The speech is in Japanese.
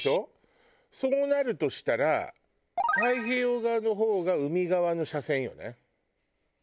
そうなるとしたら太平洋側の方が海側の車線よね。